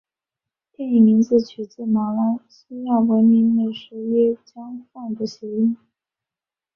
电影名字取自马来西亚闻名美食椰浆饭的谐音。